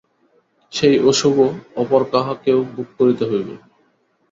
সেই অশুভ অপর কাহাকেও ভোগ করিতে হইবে।